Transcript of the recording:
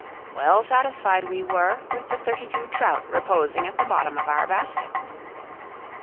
Well satisfied we were with the thirty two trout reposing at the bottom of our basket.